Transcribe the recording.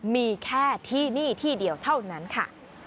มีแค่ที่นี่ที่เดียวเท่านั้นค่ะ